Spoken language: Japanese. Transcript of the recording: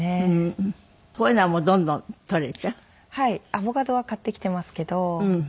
アボカドは買ってきてますけど。